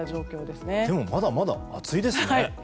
でもまだまだ暑いですね。